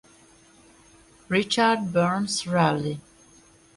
Richard Burns Rally